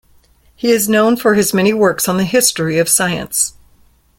He is now known for his many works on the history of science.